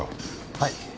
はい。